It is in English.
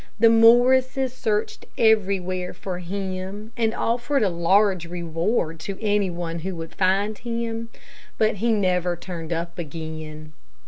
The Morrises searched everywhere for him, and offered a large reward to any one who would find him, but he never turned up again.